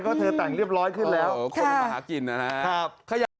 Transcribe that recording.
ก็เธอตั๋งเรียบร้อยขึ้นแล้วโอ้โฮโคตรมาหากินนะฮะครับ